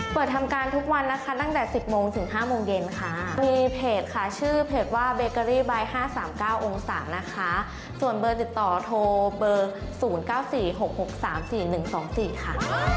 เปิดทำการทุกวันนะคะตั้งแต่สิบโมงถึงห้ามงเย็นค่ะมีเพจค่ะชื่อเพจว่าเบอร์เกอรี่ใบ้ห้าสามเก้าองศักดิ์นะคะส่วนเบอร์ติดต่อโทรเบอร์ศูนย์เก้าสี่หกหกสามสี่หนึ่งสองสี่ค่ะ